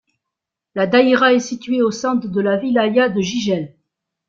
La daïra est située au centre de la wilaya de Jijel.